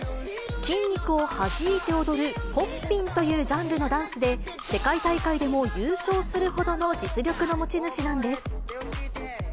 筋肉をはじいて踊る、ポッピンというジャンルのダンスで、世界大会でも優勝するほどの実力の持ち主なんです。